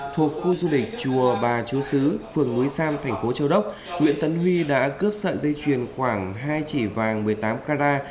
thuộc khu du lịch chùa bà chú sứ phường núi sam thành phố châu đốc nguyễn tấn huy đã cướp sợi dây chuyền khoảng hai chỉ vàng một mươi tám carat